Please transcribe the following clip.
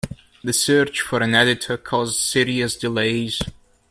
The search for an editor caused serious delays.